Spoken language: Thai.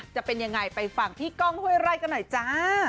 จะเป็นอย่างไรไปฟังพี่กองเฮ้ยไรกันหน่อยจ้า